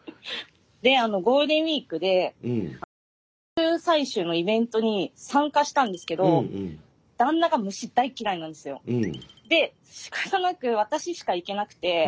であのゴールデンウイークで昆虫採集のイベントに参加したんですけど旦那が虫大嫌いなんですよ。でしかたなく私しか行けなくて。